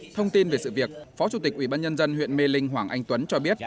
thông tin về sự việc phó chủ tịch ubnd huyện mê linh hoàng anh tuấn cho biết